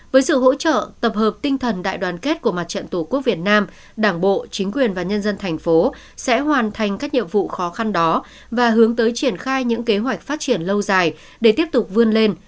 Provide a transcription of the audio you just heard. với sự hỗ trợ tập hợp tinh thần đại đoàn kết của mặt trận tổ quốc việt nam đảng bộ chính quyền và nhân dân thành phố sẽ hoàn thành các nhiệm vụ khó khăn đó và hướng tới triển khai những kế hoạch phát triển lâu dài để tiếp tục vươn lên